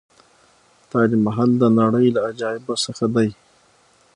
تاج محل د نړۍ له عجایبو څخه دی.